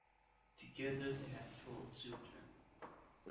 Together they have four children.